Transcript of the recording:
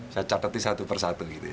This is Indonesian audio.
saya catatnya satu persatu